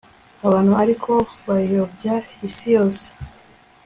abantu ariko bayobya isi yose